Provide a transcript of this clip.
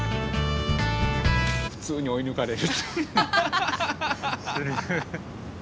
普通に追い抜かれる。